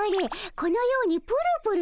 このようにプルプルゆれる。